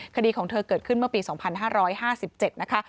คดีของเธอเกิดขึ้นเมื่อปี๒๕๕๗นะคะ